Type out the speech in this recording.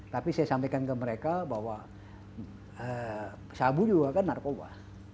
tapi saya sampaikan ke mereka bahwa sabu juga kan narkoba